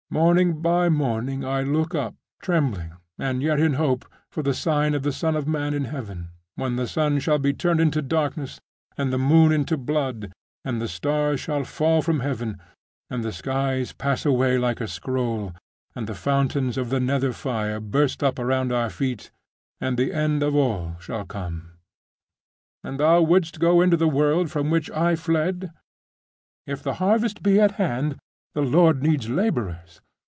Morning by morning I look up trembling, and yet in hope, for the sign of the Son of man in heaven, when the sun shall be turned into darkness, and the moon into blood, and the stars shall fall from heaven, and the skies pass away like a scroll, and the fountains of the nether fire burst up around our feet, and the end of all shall come. And thou wouldst go into the world from which I fled?' 'If the harvest be at hand, the Lord needs labourers.